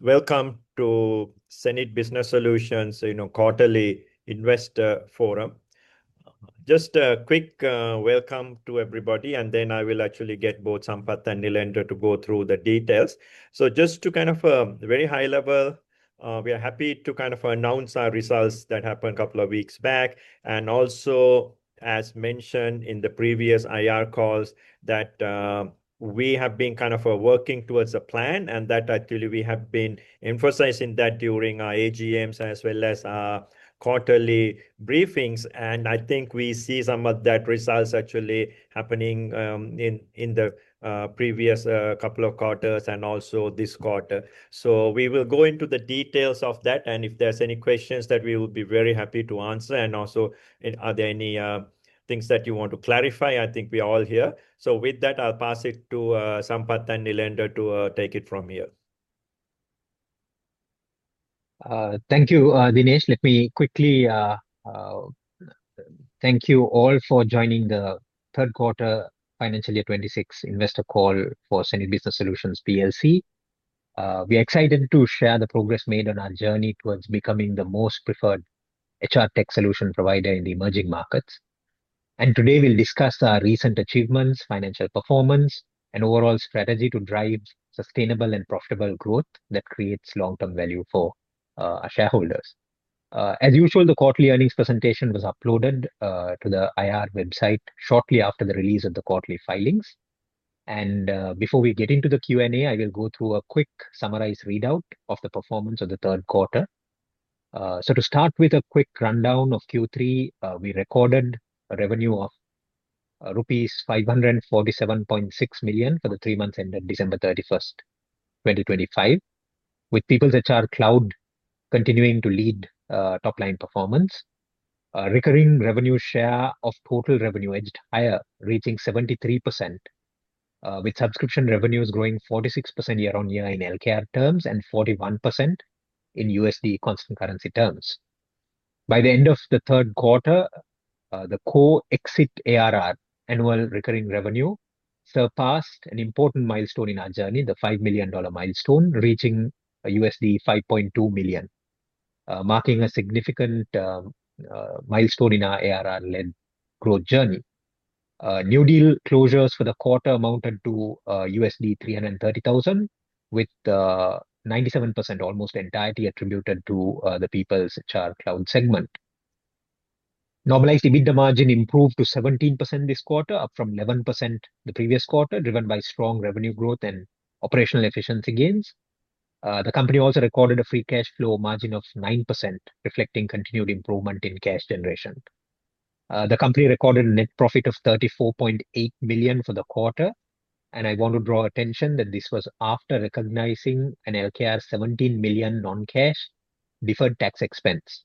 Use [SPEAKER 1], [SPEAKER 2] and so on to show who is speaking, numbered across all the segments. [SPEAKER 1] Welcome to hSenid Business Solutions, you know, quarterly investor forum. Just a quick welcome to everybody, and then I will actually get both Sampath and Nilendra to go through the details. So just to kind of very high level, we are happy to kind of announce our results that happened a couple of weeks back, and also, as mentioned in the previous IR calls, that we have been kind of working towards a plan, and that actually we have been emphasizing that during our AGMs as well as our quarterly briefings. And I think we see some of that results actually happening in the previous couple of quarters and also this quarter. So we will go into the details of that, and if there's any questions that we would be very happy to answer, and also, are there any, things that you want to clarify? I think we're all here. So with that, I'll pass it to, Sampath and Nilendra to, take it from here.
[SPEAKER 2] Thank you, Dinesh. Let me quickly thank you all for joining the third quarter financial year 2026 investor call for hSenid Business Solutions PLC. We are excited to share the progress made on our journey towards becoming the most preferred HR tech solution provider in the emerging markets. Today, we'll discuss our recent achievements, financial performance, and overall strategy to drive sustainable and profitable growth that creates long-term value for our shareholders. As usual, the quarterly earnings presentation was uploaded to the IR website shortly after the release of the quarterly filings. Before we get into the Q&A, I will go through a quick summarized readout of the performance of the third quarter. So to start with a quick rundown of Q3, we recorded a revenue of LKR 547.6 million for the three months ended December 31, 2025, with PeoplesHR Cloud continuing to lead top-line performance. Recurring revenue share of total revenue edged higher, reaching 73%, with subscription revenues growing 46% year-on-year in LKR terms, and 41% in USD constant currency terms. By the end of the third quarter, the core exit ARR, annual recurring revenue, surpassed an important milestone in our journey, the $5 million milestone, reaching $5.2 million, marking a significant milestone in our ARR-led growth journey. New deal closures for the quarter amounted to $330,000, with 97% almost entirely attributed to the PeoplesHR Cloud segment. Normalized EBITDA margin improved to 17% this quarter, up from 11% the previous quarter, driven by strong revenue growth and operational efficiency gains. The company also recorded a free cash flow margin of 9%, reflecting continued improvement in cash generation. The company recorded a net profit of LKR 34.8 million for the quarter, and I want to draw attention that this was after recognizing an LKR 17 million non-cash deferred tax expense.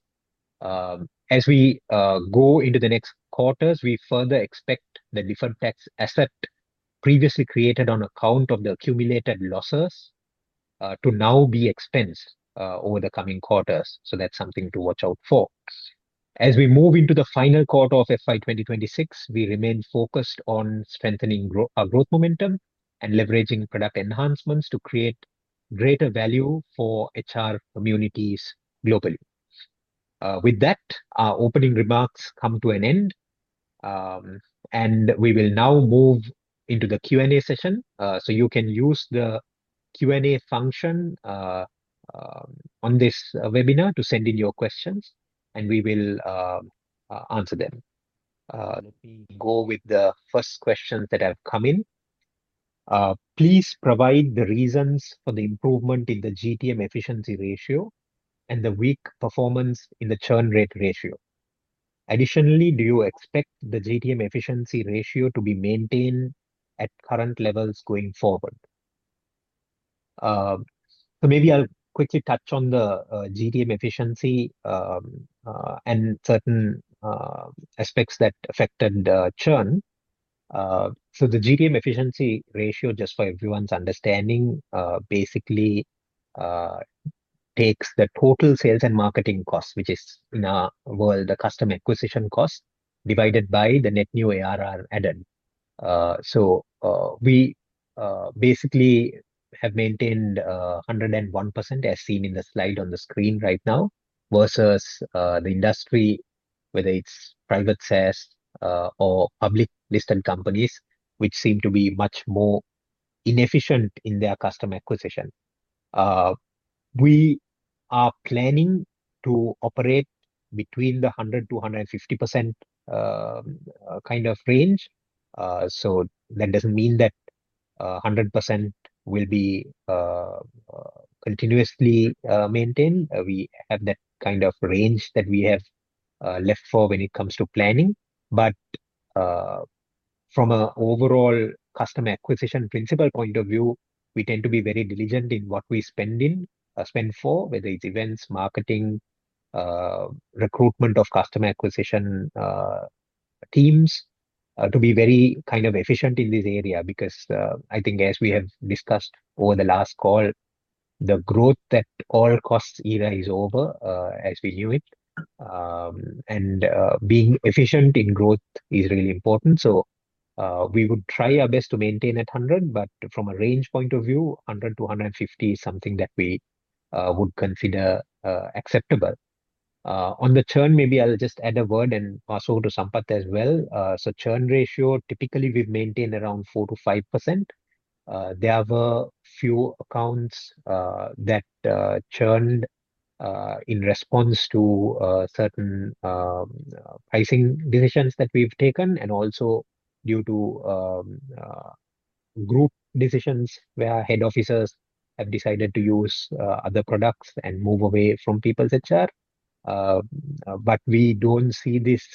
[SPEAKER 2] As we go into the next quarters, we further expect the deferred tax asset previously created on account of the accumulated losses to now be expensed over the coming quarters. So that's something to watch out for. As we move into the final quarter of FY 2026, we remain focused on strengthening our growth momentum and leveraging product enhancements to create greater value for HR communities globally. With that, our opening remarks come to an end, and we will now move into the Q&A session. So you can use the Q&A function on this webinar to send in your questions, and we will answer them. Let me go with the first questions that have come in. Please provide the reasons for the improvement in the GTM efficiency ratio and the weak performance in the churn rate ratio. Additionally, do you expect the GTM efficiency ratio to be maintained at current levels going forward? So maybe I'll quickly touch on the GTM efficiency and certain aspects that affected the churn. So the GTM efficiency ratio, just for everyone's understanding, basically, takes the total sales and marketing costs, which is, in our world, the customer acquisition cost, divided by the net new ARR added. So, we basically have maintained, 101%, as seen in the slide on the screen right now, versus, the industry, whether it's private SaaS, or public listed companies, which seem to be much more inefficient in their customer acquisition. We are planning to operate between the 100%-150%, kind of range. So that doesn't mean that, 100% will be, continuously, maintained. We have that kind of range that we have, left for when it comes to planning. But, from a overall customer acquisition principle point of view, we tend to be very diligent in what we spend in, spend for, whether it's events, marketing, recruitment of customer acquisition, teams, to be very kind of efficient in this area. Because, I think as we have discussed over the last call, the growth at all costs era is over, as we knew it. And, being efficient in growth is really important. We would try our best to maintain at 100, but from a range point of view, 100-150 is something that we would consider acceptable. On the churn, maybe I'll just add a word and pass over to Sampath as well. So churn ratio, typically, we maintain around 4%-5%. There are a few accounts that churned in response to certain pricing decisions that we've taken, and also due to group decisions where head offices have decided to use other products and move away from PeoplesHR. But we don't see this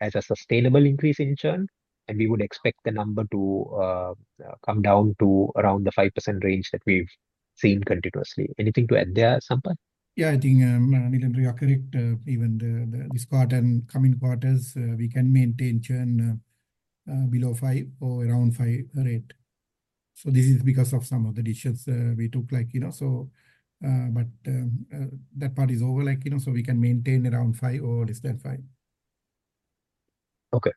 [SPEAKER 2] as a sustainable increase in churn, and we would expect the number to come down to around the 5% range that we've seen continuously. Anything to add there, Sampath?
[SPEAKER 3] Yeah, I think, Nilendra, you are correct. Even this quarter and coming quarters, we can maintain churn below five or around five rate. So this is because of some of the decisions we took, like, you know. So but that part is over, like, you know, so we can maintain around five or less than five.
[SPEAKER 2] Okay.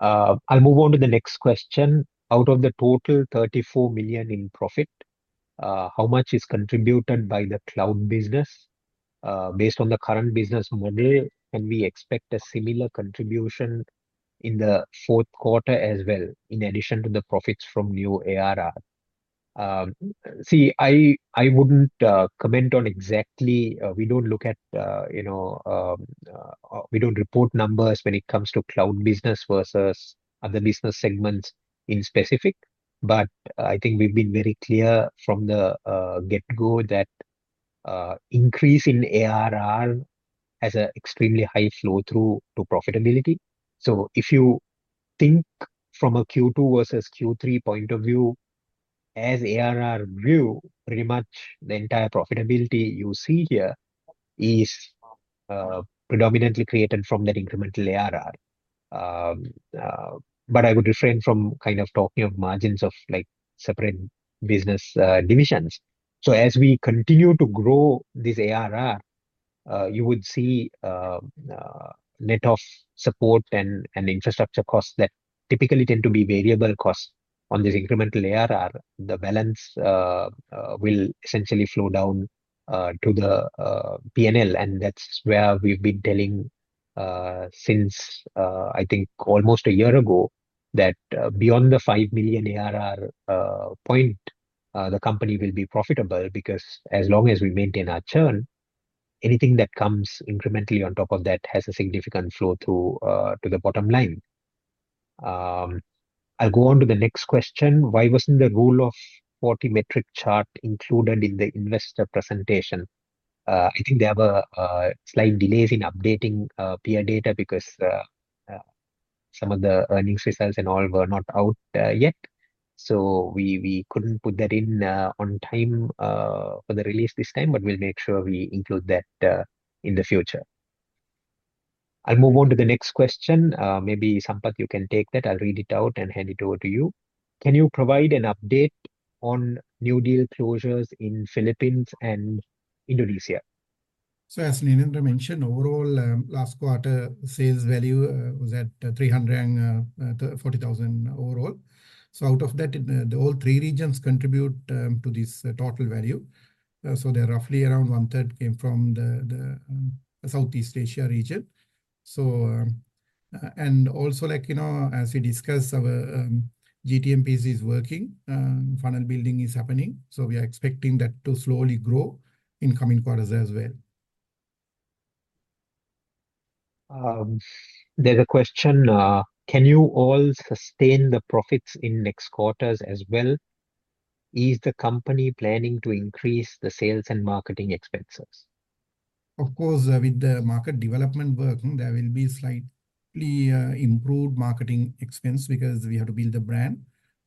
[SPEAKER 2] I'll move on to the next question: Out of the total LKR 34 million in profit, how much is contributed by the cloud business? Based on the current business model, can we expect a similar contribution in the fourth quarter as well, in addition to the profits from new ARR? See, I wouldn't comment on exactly—we don't look at, you know, we don't report numbers when it comes to cloud business versus other business segments in specific. But I think we've been very clear from the get-go that increase in ARR has an extremely high flow-through to profitability. So if you think from a Q2 versus Q3 point of view, as ARR view, pretty much the entire profitability you see here is predominantly created from that incremental ARR. But I would refrain from kind of talking of margins of, like, separate business divisions. So as we continue to grow this ARR, you would see, net of support and infrastructure costs that typically tend to be variable costs on this incremental ARR. The balance will essentially flow down to the P&L, and that's where we've been telling since I think almost a year ago, that beyond the $5 million ARR point, the company will be profitable. Because as long as we maintain our churn, anything that comes incrementally on top of that has a significant flow-through to the bottom line. I'll go on to the next question: Why wasn't the Rule of 40 metric chart included in the investor presentation? I think there were slight delays in updating peer data because some of the earnings results and all were not out yet. So we couldn't put that in on time for the release this time, but we'll make sure we include that in the future. I'll move on to the next question. Maybe Sampath, you can take that. I'll read it out and hand it over to you. Can you provide an update on new deal closures in Philippines and Indonesia?
[SPEAKER 3] So as Nilendra mentioned, overall, last quarter sales value was at LKR 340,000 overall. So out of that, all three regions contribute to this total value. So they're roughly around one third came from the Southeast Asia region. And also, like, you know, as we discussed, our GTM is working, funnel building is happening, so we are expecting that to slowly grow in coming quarters as well.
[SPEAKER 2] There's a question: Can you all sustain the profits in next quarters as well? Is the company planning to increase the sales and marketing expenses?
[SPEAKER 3] Of course, with the market development work, there will be slightly improved marketing expense because we have to build a brand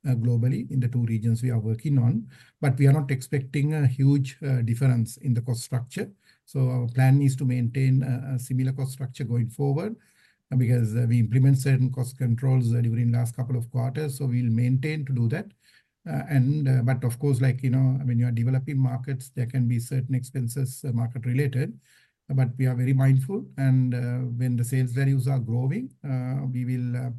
[SPEAKER 3] globally in the two regions we are working on. But we are not expecting a huge difference in the cost structure. So our plan is to maintain a similar cost structure going forward, because we implement certain cost controls during last couple of quarters, so we'll maintain to do that. But of course, like, you know, when you are developing markets, there can be certain expenses market related. But we are very mindful, and when the sales values are growing, we will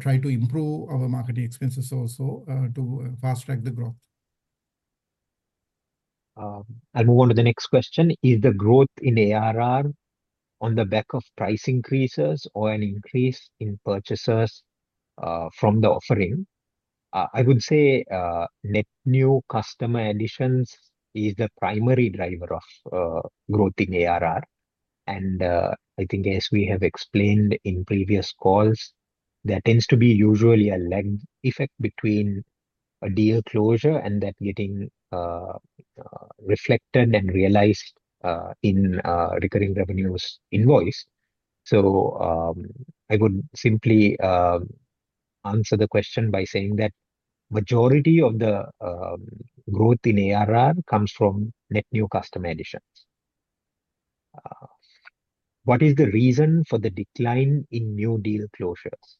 [SPEAKER 3] try to improve our marketing expenses also to fast-track the growth.
[SPEAKER 2] I'll move on to the next question: Is the growth in ARR on the back of price increases or an increase in purchasers from the offering? I would say net new customer additions is the primary driver of growth in ARR. And I think as we have explained in previous calls, there tends to be usually a lag effect between a deal closure and that getting reflected and realized in recurring revenues invoice. So I would simply answer the question by saying that majority of the growth in ARR comes from net new customer additions. What is the reason for the decline in new deal closures?...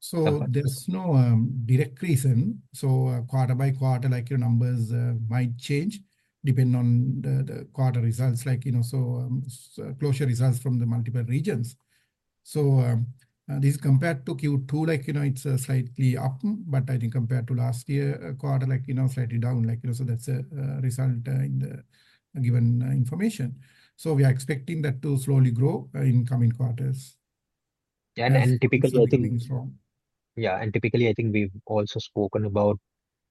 [SPEAKER 3] So there's no direct reason. So quarter by quarter, like, your numbers might change depending on the quarter results, like, you know, so closure results from the multiple regions. So this compared to Q2, like, you know, it's slightly up, but I think compared to last year quarter, like, you know, slightly down. Like, you know, so that's a result in the given information. So we are expecting that to slowly grow in coming quarters.
[SPEAKER 2] Typically, I think...............
[SPEAKER 3] So-
[SPEAKER 2] Yeah, and typically, I think we've also spoken about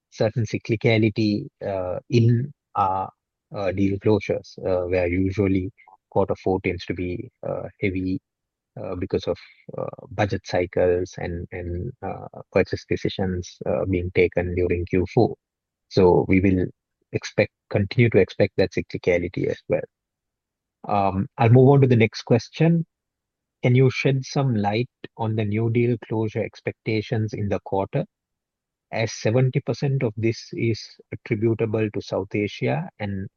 [SPEAKER 2] certain cyclicality in our deal closures, where usually quarter four tends to be heavy because of budget cycles and purchase decisions being taken during Q4. So we will continue to expect that cyclicality as well. I'll move on to the next question: Can you shed some light on the new deal closure expectations in the quarter, as 70% of this is attributable to South Asia and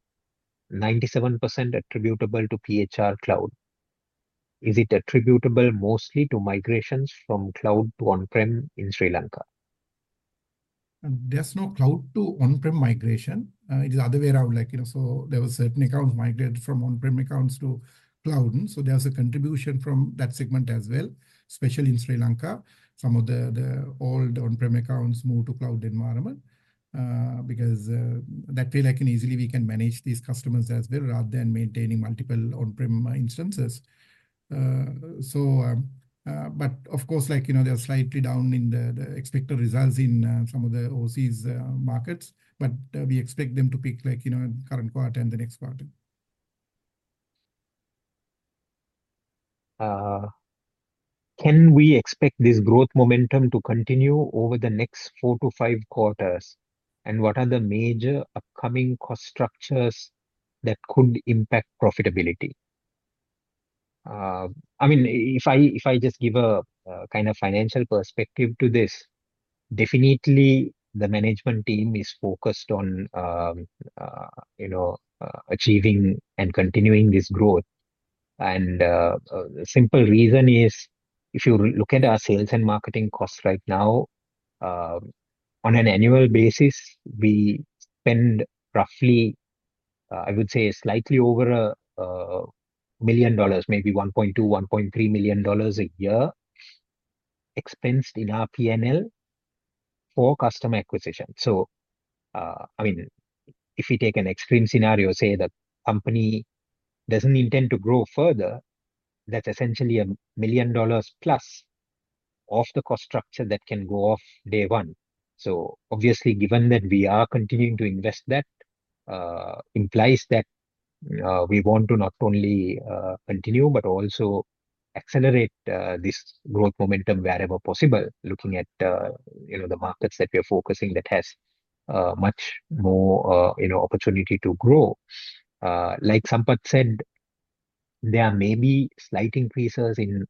[SPEAKER 2] 97% attributable to PeoplesHR Cloud? Is it attributable mostly to migrations from cloud to on-prem in Sri Lanka?
[SPEAKER 3] There's no cloud to on-prem migration. It is other way around, like, you know, so there were certain accounts migrated from on-prem accounts to cloud. So there's a contribution from that segment as well, especially in Sri Lanka. Some of the, the old on-prem accounts moved to cloud environment, because, that way, like, and easily we can manage these customers as well, rather than maintaining multiple on-prem, instances. So, but of course, like, you know, they are slightly down in the, the expected results in, some of the overseas, markets, but, we expect them to peak, like, you know, in current quarter and the next quarter.
[SPEAKER 2] Can we expect this growth momentum to continue over the next 4-5 quarters, and what are the major upcoming cost structures that could impact profitability? I mean, if I just give a kind of financial perspective to this, definitely the management team is focused on, you know, achieving and continuing this growth. The simple reason is, if you look at our sales and marketing costs right now, on an annual basis, we spend roughly, I would say slightly over $1 million, maybe $1.2-$1.3 million a year, expensed in our P&L for customer acquisition. So, I mean, if we take an extreme scenario, say, the company doesn't intend to grow further, that's essentially $1 million plus of the cost structure that can go off day one. So obviously, given that we are continuing to invest, that implies that we want to not only continue, but also accelerate this growth momentum wherever possible, looking at, you know, the markets that we are focusing that has much more, you know, opportunity to grow. Like Sampath said, there may be slight increases in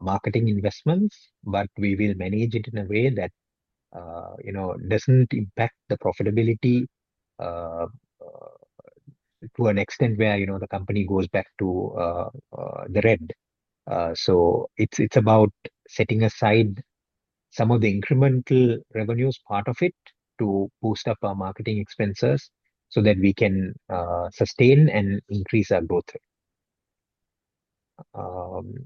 [SPEAKER 2] marketing investments, but we will manage it in a way that, you know, doesn't impact the profitability to an extent where, you know, the company goes back to the red. So it's about setting aside some of the incremental revenues, part of it, to boost up our marketing expenses, so that we can sustain and increase our growth rate.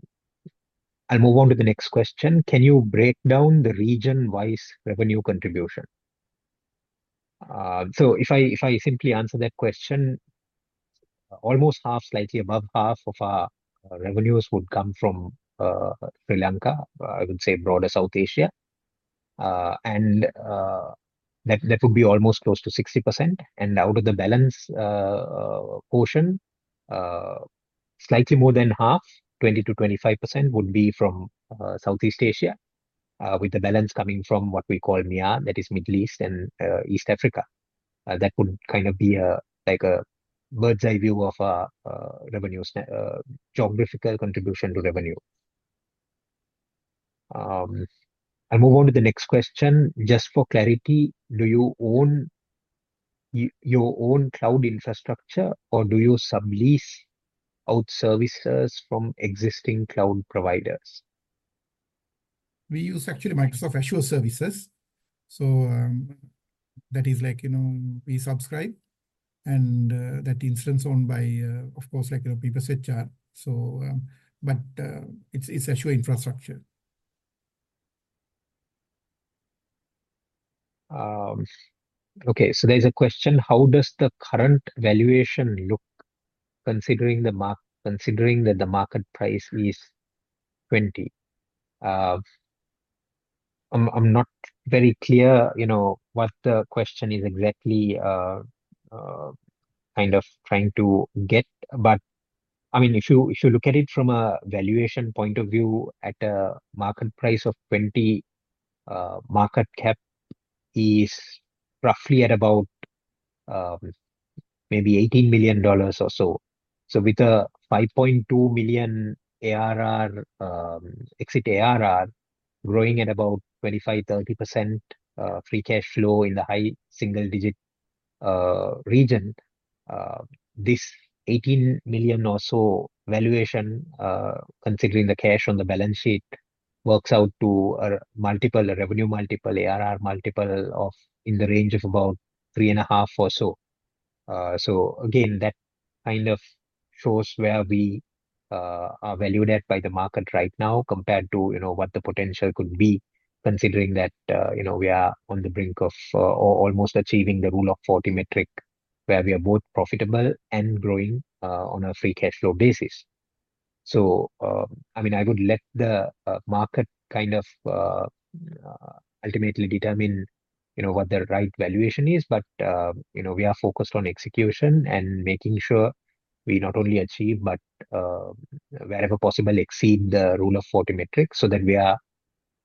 [SPEAKER 2] I'll move on to the next question: Can you break down the region-wise revenue contribution? So if I simply answer that question, almost half, slightly above half of our revenues would come from Sri Lanka, I would say broader South Asia. And that would be almost close to 60%, and out of the balance portion, slightly more than half, 20%-25%, would be from Southeast Asia, with the balance coming from what we call MEIA, that is Middle East and East Africa. That would kind of be a, like a bird's-eye view of our revenue geographical contribution to revenue. I'll move on to the next question: Just for clarity, do you own your own cloud infrastructure, or do you sublease out services from existing cloud providers?
[SPEAKER 3] We use actually Microsoft Azure services. So, that is like, you know, we subscribe and, that instance owned by, of course, like, you know, PeoplesHR. So, but it's Azure infrastructure.
[SPEAKER 2] Okay, so there's a question: How does the current valuation look, considering that the market price is 20? I'm not very clear, you know, what the question is exactly, kind of trying to get, but, I mean, if you look at it from a valuation point of view, at a market price of 20, market cap is roughly at about, maybe $18 million or so. So with a $5.2 million ARR, exit ARR growing at about 25%-30%, free cash flow in the high single-digit region, this $18 million or so valuation, considering the cash on the balance sheet, works out to a multiple, a revenue multiple, ARR multiple of in the range of about 3.5 or so. So again, that kind of shows where we are valued at by the market right now, compared to, you know, what the potential could be, considering that, you know, we are on the brink of or almost achieving the Rule of 40 metric, where we are both profitable and growing on a Free Cash Flow basis. I mean, I would let the market kind of ultimately determine, you know, what the right valuation is. But you know, we are focused on execution and making sure we not only achieve, but wherever possible, exceed the Rule of 40 metric, so that we are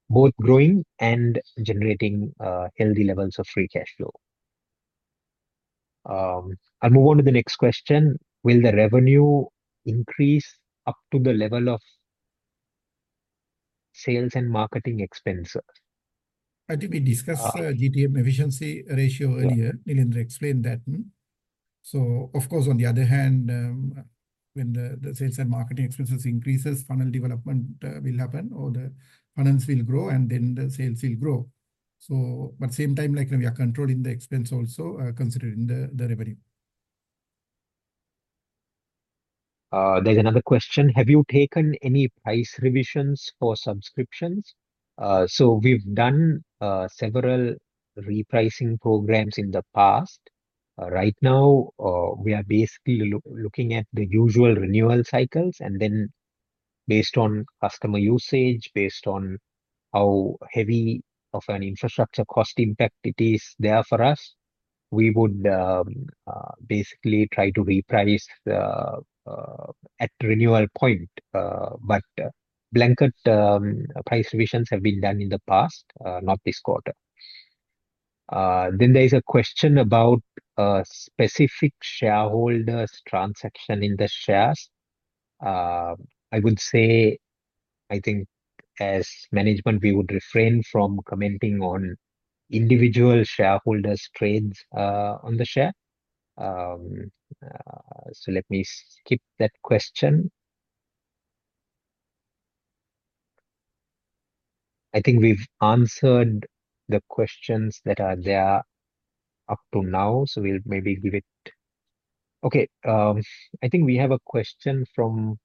[SPEAKER 2] both growing and generating healthy levels of Free Cash Flow. I'll move on to the next question: Will the revenue increase up to the level of sales and marketing expenses?
[SPEAKER 3] I think we discussed the GTM efficiency ratio earlier. Nilendra explained that. So of course, on the other hand, when the sales and marketing expenses increases, funnel development will happen, or the finance will grow, and then the sales will grow. So, but same time, like, we are controlling the expense also, considering the revenue.
[SPEAKER 2] There's another question: Have you taken any price revisions for subscriptions? So we've done several repricing programs in the past. Right now, we are basically looking at the usual renewal cycles, and then based on customer usage, based on how heavy of an infrastructure cost impact it is there for us, we would basically try to reprice the at renewal point. But blanket price revisions have been done in the past, not this quarter. Then there is a question about a specific shareholder's transaction in the shares. I would say, I think as management, we would refrain from commenting on individual shareholders' trades on the share. So let me skip that question. I think we've answered the questions that are there up to now, so we'll maybe give it... Okay, I think we have a question from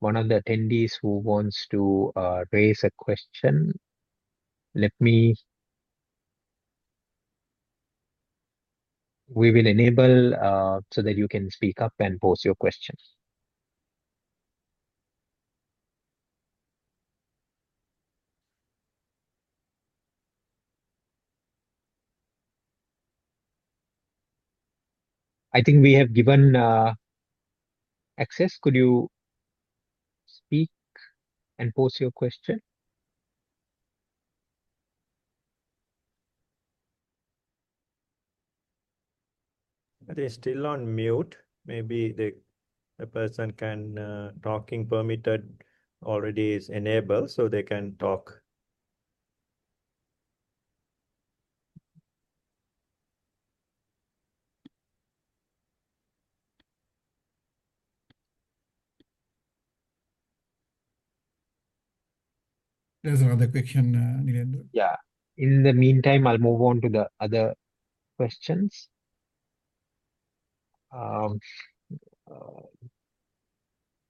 [SPEAKER 2] one of the attendees who wants to raise a question. Let me. We will enable so that you can speak up and pose your question. I think we have given access. Could you speak and pose your question?
[SPEAKER 1] They're still on mute. Maybe the person can talking permitted already is enabled, so they can talk.
[SPEAKER 3] There's another question, Nilendra.
[SPEAKER 2] Yeah. In the meantime, I'll move on to the other questions.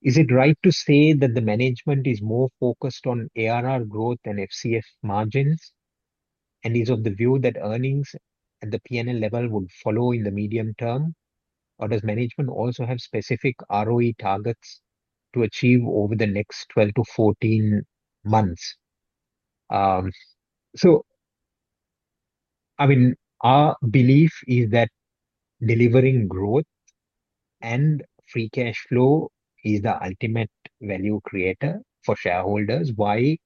[SPEAKER 2] Is it right to say that the management is more focused on ARR growth than FCF margins, and is of the view that earnings at the PNL level would follow in the medium term, or does management also have specific ROE targets to achieve over the next 12-14 months? So I mean, our belief is that delivering growth and free cash flow is the ultimate value creator for shareholders. Why?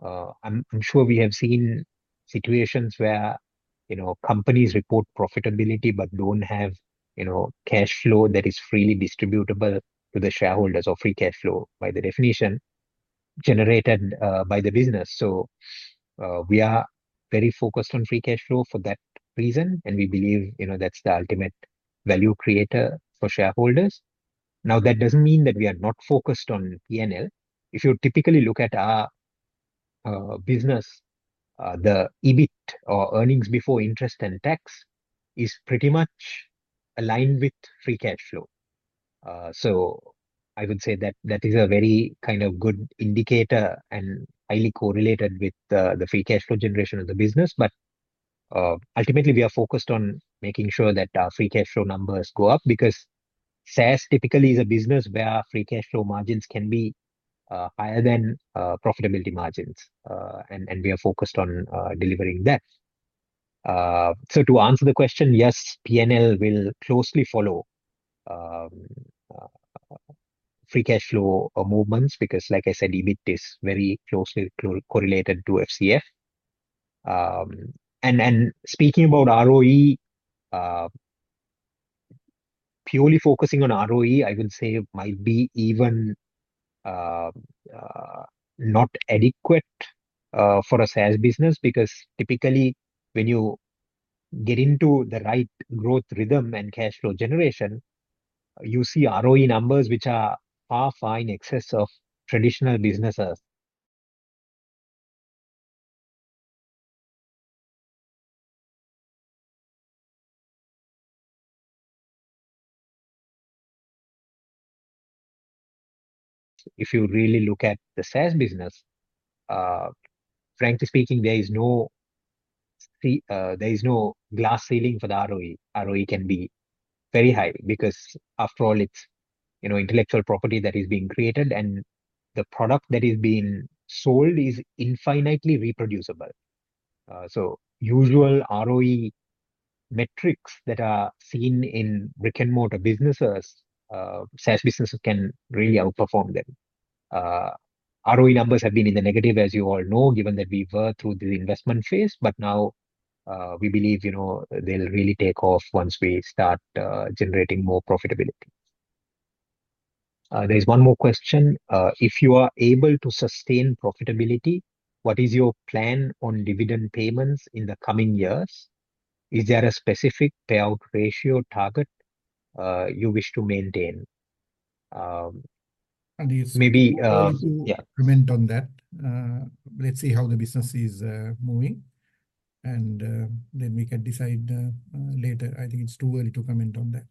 [SPEAKER 2] I'm sure we have seen situations where, you know, companies report profitability but don't have, you know, cash flow that is freely distributable to the shareholders or free cash flow by the definition generated by the business. So, we are very focused on free cash flow for that reason, and we believe, you know, that's the ultimate value creator for shareholders. Now, that doesn't mean that we are not focused on PNL. If you typically look at our business, the EBIT or earnings before interest and tax is pretty much aligned with free cash flow. So I would say that, that is a very kind of good indicator and highly correlated with the, the free cash flow generation of the business. But, ultimately, we are focused on making sure that our free cash flow numbers go up, because SaaS typically is a business where free cash flow margins can be higher than profitability margins. And, and we are focused on delivering that. So to answer the question, yes, P&L will closely follow free cash flow movements, because like I said, EBIT is very closely correlated to FCF. Speaking about ROE, purely focusing on ROE, I would say might be even not adequate for a SaaS business, because typically when you get into the right growth rhythm and cash flow generation, you see ROE numbers which are far, far in excess of traditional businesses. If you really look at the SaaS business, frankly speaking, there is no glass ceiling for the ROE. ROE can be very high because after all, it's, you know, intellectual property that is being created, and the product that is being sold is infinitely reproducible. So usual ROE metrics that are seen in brick-and-mortar businesses, SaaS businesses can really outperform them. ROE numbers have been in the negative, as you all know, given that we were through the investment phase, but now we believe, you know, they'll really take off once we start generating more profitability. There is one more question. If you are able to sustain profitability, what is your plan on dividend payments in the coming years? Is there a specific payout ratio target you wish to maintain? Maybe, yeah-
[SPEAKER 3] Comment on that. Let's see how the business is moving, and then we can decide later. I think it's too early to comment on that.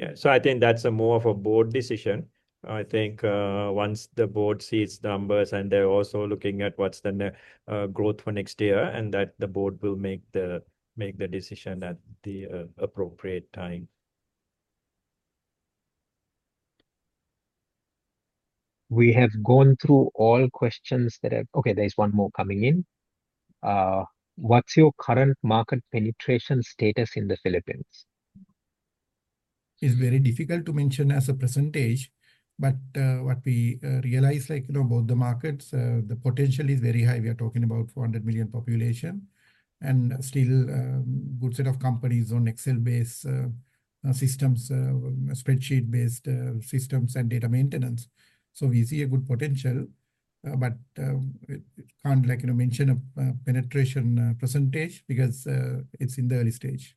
[SPEAKER 1] Yeah. So I think that's more of a board decision. I think, once the board sees the numbers and they're also looking at what's the growth for next year, and that the board will make the decision at the appropriate time.
[SPEAKER 2] We have gone through all questions that are. Okay, there's one more coming in. What's your current market penetration status in the Philippines?
[SPEAKER 3] It's very difficult to mention as a percentage, but, what we realize, like, you know, about the markets, the potential is very high. We are talking about 400 million population, and still, good set of companies on Excel-based, systems, spreadsheet-based, systems and data maintenance. So we see a good potential, but, we can't like, you know, mention a, penetration, percentage because, it's in the early stage.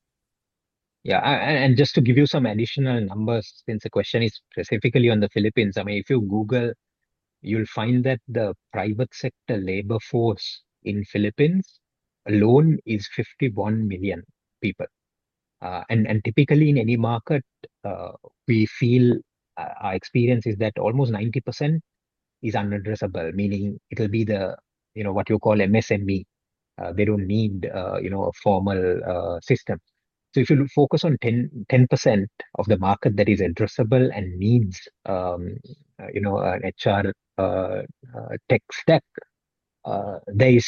[SPEAKER 2] Yeah, and just to give you some additional numbers, since the question is specifically on the Philippines, I mean, if you Google, you'll find that the private sector labor force in Philippines alone is 51 million people. And typically in any market, we feel, our experience is that almost 90% is unaddressable, meaning it'll be the, you know, what you call MSME. They don't need, you know, a formal system. So if you focus on 10% of the market that is addressable and needs, you know, an HR tech stack, there is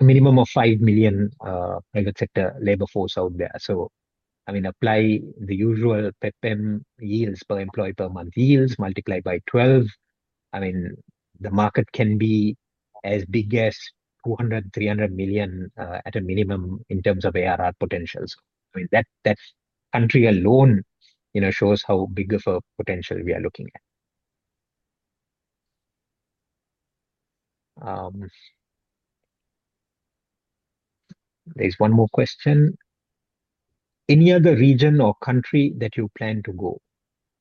[SPEAKER 2] a minimum of 5 million private sector labor force out there. So, I mean, apply the usual PEPM yields, per employee per month yields, multiplied by 12. I mean, the market can be as big as $200-300 million, at a minimum in terms of ARR potentials. I mean, that, that country alone, you know, shows how big of a potential we are looking at. There's one more question. Any other region or country that you plan to go,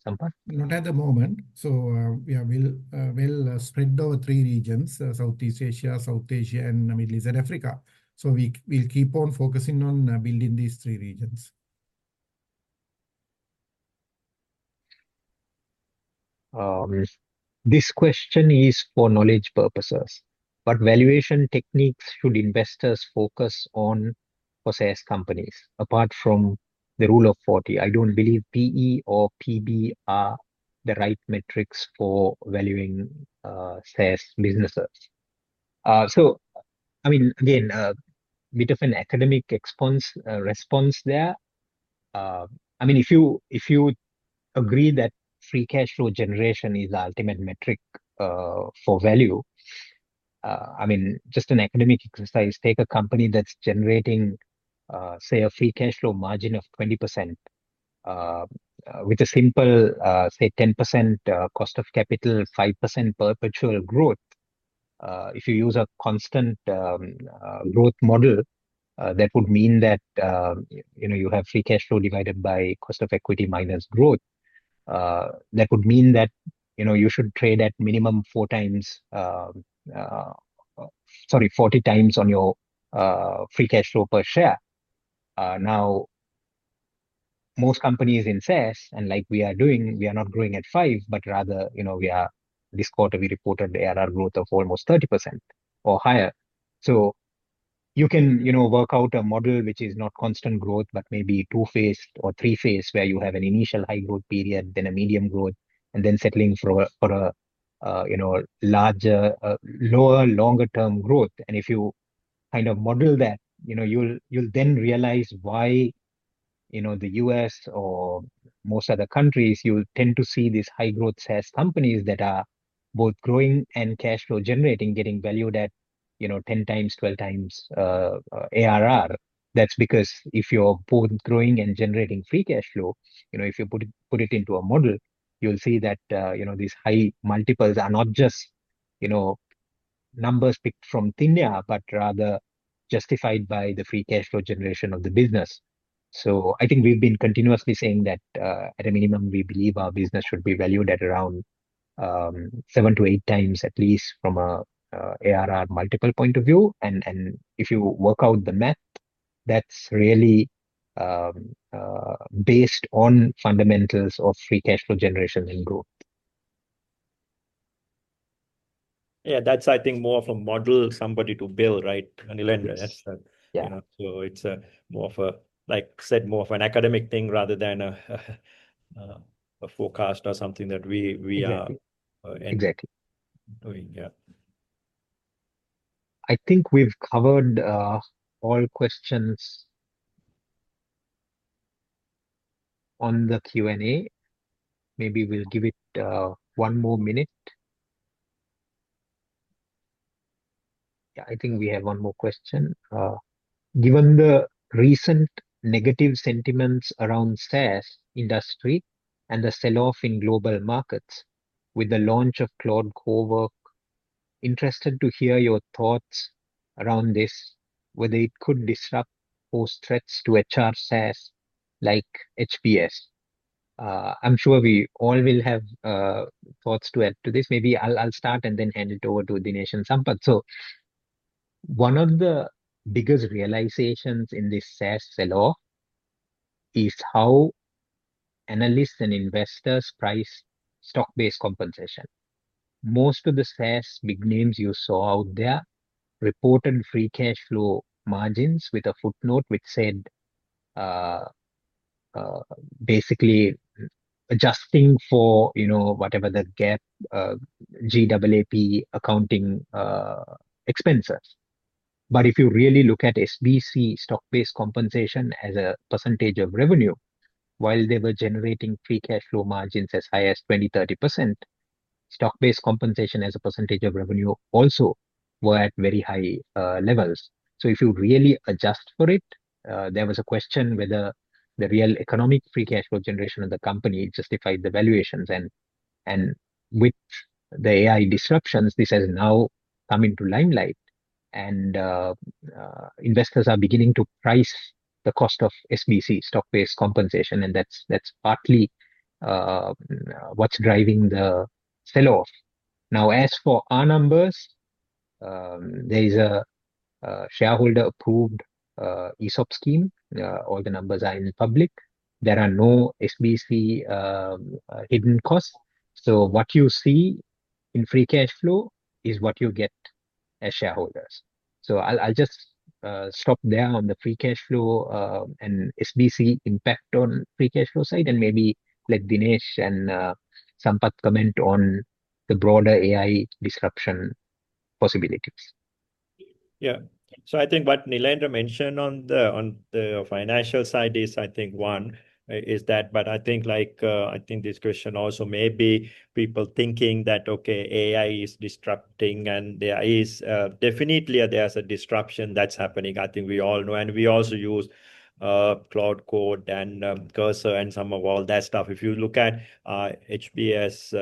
[SPEAKER 2] Sampath?
[SPEAKER 3] Not at the moment. So, yeah, we'll, we'll spread over three regions: Southeast Asia, South Asia, and Middle East and Africa. So we'll keep on focusing on, building these three regions.
[SPEAKER 2] This question is for knowledge purposes, what valuation techniques should investors focus on for SaaS companies? Apart from the Rule of 40, I don't believe PE or PB are the right metrics for valuing SaaS businesses. So I mean, again, a bit of an academic exercise, response there. I mean, if you, if you agree that free cash flow generation is the ultimate metric for value, I mean, just an academic exercise, take a company that's generating, say, a free cash flow margin of 20%, with a simple, say, 10% cost of capital, 5% perpetual growth. If you use a constant growth model, that would mean that, you know, you have free cash flow divided by cost of equity minus growth. That would mean that, you know, you should trade at minimum 4x, sorry, 40x on your Free Cash Flow per share. Now, most companies in SaaS, and like we are doing, we are not growing at 5, but rather, you know, we are this quarter, we reported the ARR growth of almost 30% or higher. So you can, you know, work out a model which is not constant growth, but maybe 2-phase or 3-phase, where you have an initial high growth period, then a medium growth, and then settling for a, for a, you know, larger, lower, longer term growth. If you kind of model that, you know, you'll then realize why, you know, the U.S. or most other countries, you'll tend to see these high-growth SaaS companies that are both growing and cash flow generating, getting valued at 10x, 12x ARR. That's because if you're both growing and generating free cash flow, you know, if you put it into a model, you'll see that, you know, these high multiples are not just, you know, numbers picked from thin air, but rather justified by the free cash flow generation of the business. So I think we've been continuously saying that, at a minimum, we believe our business should be valued at around 7x-8x, at least from a ARR multiple point of view. If you work out the math, that's really based on fundamentals of Free Cash Flow generation and growth.
[SPEAKER 1] Yeah, that's, I think, more of a model somebody to build, right, Nilendra?
[SPEAKER 2] Yeah.
[SPEAKER 1] So it's more of a, like I said, more of an academic thing rather than a forecast or something that we are-
[SPEAKER 2] Exactly.
[SPEAKER 1] -doing. Yeah.
[SPEAKER 2] I think we've covered all questions on the Q&A. Maybe we'll give it one more minute. Yeah, I think we have one more question. "Given the recent negative sentiments around SaaS industry and the sell-off in global markets with the launch of Claude, interested to hear your thoughts around this, whether it could pose threats to HR SaaS like HBS." I'm sure we all will have thoughts to add to this. Maybe I'll start and then hand it over to Dinesh and Sampath. So one of the biggest realizations in this SaaS sell-off is how analysts and investors price stock-based compensation. Most of the SaaS big names you saw out there reported free cash flow margins with a footnote, which said basically adjusting for, you know, whatever the GAAP, G-A-A-P accounting expenses. But if you really look at SBC, stock-based compensation, as a percentage of revenue, while they were generating free cash flow margins as high as 20%-30%, stock-based compensation as a percentage of revenue also were at very high levels. So if you really adjust for it, there was a question whether the real economic free cash flow generation of the company justified the valuations. With the AI disruptions, this has now come into limelight, and investors are beginning to price the cost of SBC, stock-based compensation, and that's partly what's driving the sell-off. Now, as for our numbers, there is a shareholder-approved ESOP scheme. All the numbers are in public. There are no SBC hidden costs. So what you see in free cash flow is what you get as shareholders. So I'll just stop there on the free cash flow, and SBC impact on free cash flow side, and maybe let Dinesh and Sampath comment on the broader AI disruption possibilities.
[SPEAKER 1] Yeah. So I think what Nilendra mentioned on the, on the financial side is, I think, one, is that... But I think, like, I think this question also may be people thinking that, okay, AI is disrupting, and there is, definitely there's a disruption that's happening. I think we all know, and we also use, Claude and, Cursor and some of all that stuff. If you look at, HBS,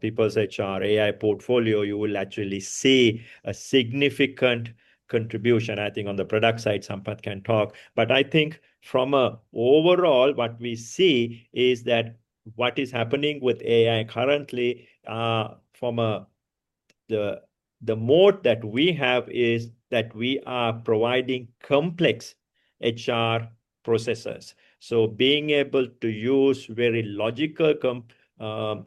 [SPEAKER 1] PeoplesHR AI portfolio, you will actually see a significant contribution, I think, on the product side, Sampath can talk. But I think from a-- overall, what we see is that what is happening with AI currently, from a-- the, the moat that we have is that we are providing complex HR processes. So being able to use very logical,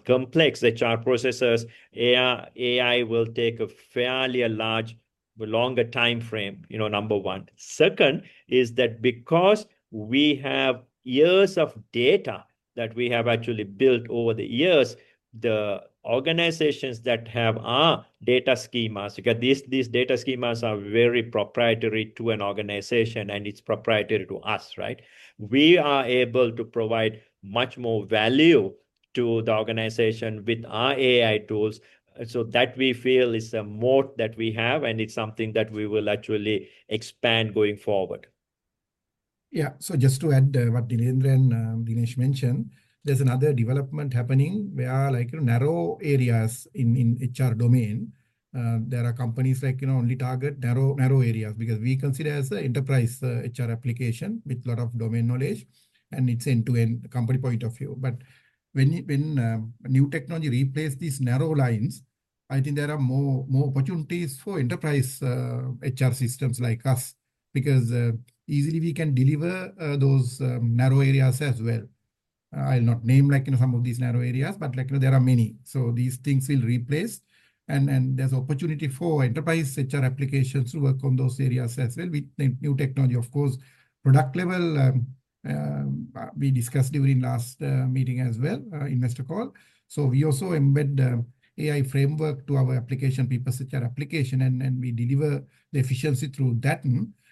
[SPEAKER 1] complex HR processes, AI, AI will take a fairly large, longer time frame, you know, number one. Second, is that because we have years of data that we have actually built over the years, the organizations that have our data schemas, because these, these data schemas are very proprietary to an organization, and it's proprietary to us, right? We are able to provide much more value to the organization with our AI tools. So that we feel is a moat that we have, and it's something that we will actually expand going forward.
[SPEAKER 3] Yeah. So just to add what Nilendra and Dinesh mentioned, there's another development happening, where like narrow areas in HR domain. There are companies like, you know, only target narrow areas because we consider as an enterprise HR application with a lot of domain knowledge, and it's end-to-end company point of view. But when new technology replace these narrow lines, I think there are more opportunities for enterprise HR systems like us, because easily we can deliver those narrow areas as well. I'll not name, like, you know, some of these narrow areas, but, like, you know, there are many. So these things will replace, and there's opportunity for enterprise HR applications to work on those areas as well with the new technology. Of course, product level, we discussed during last meeting as well, investor call. So we also embed the AI framework to our application, PeoplesHR application, and we deliver the efficiency through that. At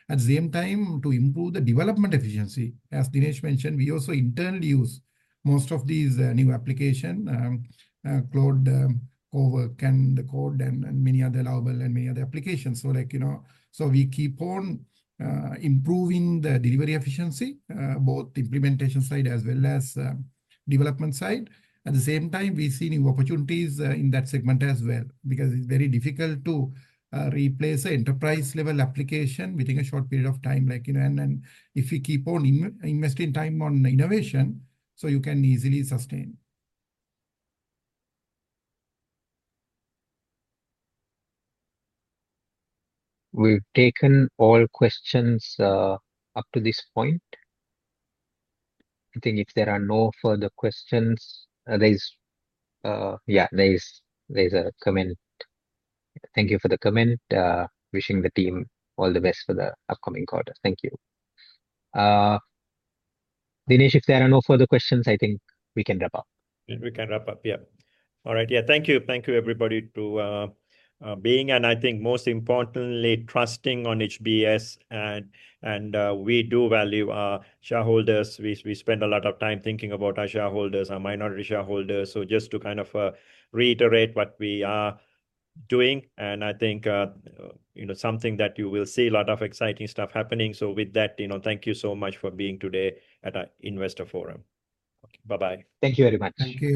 [SPEAKER 3] the same time, to improve the development efficiency, as Dinesh mentioned, we also internally use most of these new applications, Claude and Cursor, and many other, Lovable and many other applications. So, like, you know, we keep on improving the delivery efficiency both the implementation side as well as development side. At the same time, we see new opportunities in that segment as well, because it's very difficult to replace an enterprise-level application within a short period of time. Like, you know, and if you keep on investing time on innovation, so you can easily sustain.
[SPEAKER 2] We've taken all questions up to this point. I think if there are no further questions, there's... Yeah, there's a comment. Thank you for the comment. Wishing the team all the best for the upcoming quarter. Thank you. Dinesh, if there are no further questions, I think we can wrap up.
[SPEAKER 1] We can wrap up. Yeah. All right. Yeah. Thank you. Thank you, everybody, to being, and I think most importantly, trusting on HBS, and we do value our shareholders. We spend a lot of time thinking about our shareholders, our minority shareholders. So just to kind of reiterate what we are doing, and I think you know, something that you will see a lot of exciting stuff happening. So with that, you know, thank you so much for being today at our investor forum. Bye-bye.
[SPEAKER 2] Thank you very much.
[SPEAKER 3] Thank you.